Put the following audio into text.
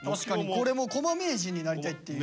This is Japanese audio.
これもコマ名人になりたいっていう。